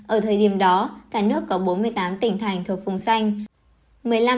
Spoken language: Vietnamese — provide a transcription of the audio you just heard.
ở thời điểm đó cả nước có bốn mươi tám tỉnh thành thuộc vùng xanh